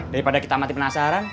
daripada kita mati penasaran